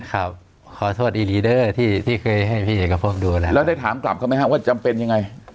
ครับขอโทษที่เคยให้พี่เอกพบดูแล้วแล้วได้ถามกลับเขาไม่ห้ามว่าจำเป็นยังไง